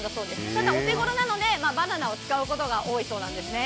ただ、お手頃なのでバナナを使うことが多いそうです。